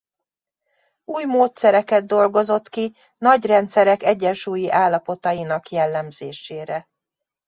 Új módszereket dolgozott ki nagy rendszerek egyensúlyi állapotainak jellemzésére.